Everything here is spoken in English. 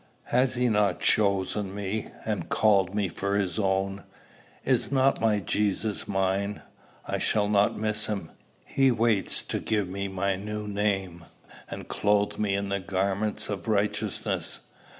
Has he not chosen me, and called me for his own? Is not my Jesus mine? I shall not miss him. He waits to give me my new name, and clothe me in the garments of righteousness."